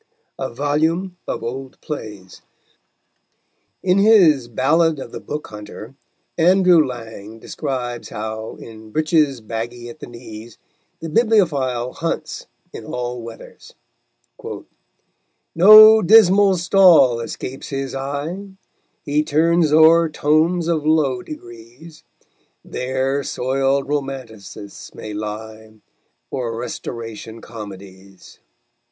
] A VOLUME OF OLD PLAYS In his Ballad of the Book Hunter, Andrew Lang describes how, in breeches baggy at the knees, the bibliophile hunts in all weathers: _No dismal stall escapes his eye; He turns o'er tomes of low degrees; There soiled romanticists may lie, Or Restoration comedies_.